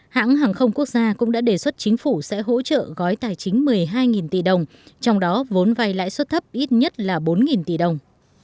hãng hàng không quốc gia cũng đã đề xuất chính phủ sẽ hỗ trợ gói tài chính một mươi hai tỷ đồng trong đó vốn vay lãi suất thấp ít nhất là bốn tỷ đồng